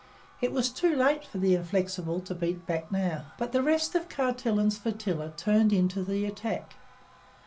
It was too late for the Inflexible to beat back now. But the rest of Carleton's flotilla turned in to the attack.